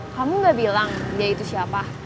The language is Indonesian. kamu gak bilang dia itu siapa